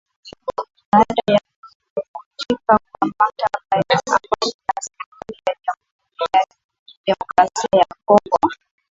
baada ya kuvunjika kwa mkataba wa amani na serikali ya Jamhuri ya kidemokrasia ya Kongo